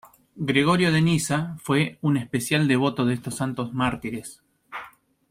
Gregorio de Nisa fue un especial devoto de estos santos mártires.